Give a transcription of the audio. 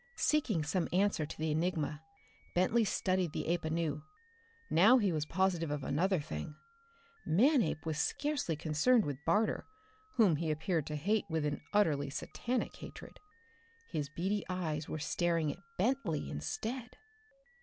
Seeking some answer to the enigma, Bentley studied the ape anew. Now he was positive of another thing: Manape was scarcely concerned with Barter, whom he appeared to hate with an utterly satanic hatred. His beady eyes were staring at Bentley instead!